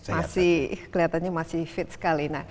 masih kelihatannya fit sekali